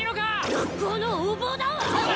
学校の横暴だわ！